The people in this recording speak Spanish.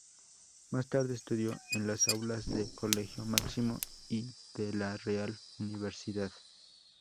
Más tarde estudió en las aulas del Colegio Máximo y de la Real Universidad.